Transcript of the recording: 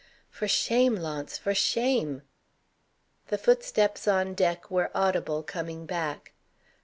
"For shame, Launce! for shame!" The footsteps on deck were audible coming back.